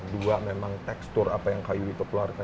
dua memang tekstur apa yang kayu itu keluarkan